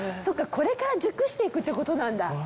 これから熟していくってことなんだ。